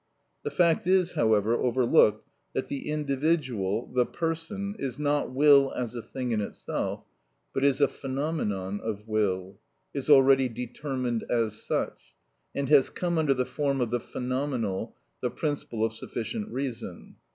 The fact is, however, overlooked that the individual, the person, is not will as a thing in itself, but is a phenomenon of will, is already determined as such, and has come under the form of the phenomenal, the principle of sufficient reason.